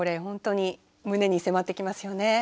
本当に胸に迫ってきますよね。